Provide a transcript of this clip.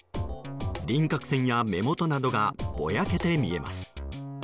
輪郭線や目元などがぼやけて見えます。